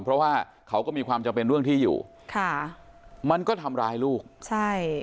เพราะว่าเขาก็มีความจำเป็นเรื่องที่อยู่ค่ะมันก็ทำร้ายลูกใช่